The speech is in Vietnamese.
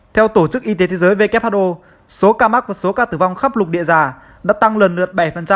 theo tổ chức y tế thế giới who số ca mắc và số ca tử vong khắp lục địa già đã tăng lần lượt bảy